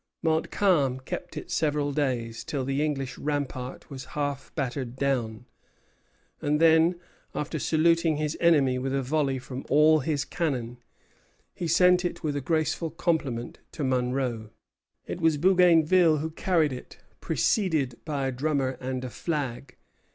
Montcalm kept it several days, till the English rampart was half battered down; and then, after saluting his enemy with a volley from all his cannon, he sent it with a graceful compliment to Monro. It was Bougainville who carried it, preceded by a drummer and a flag.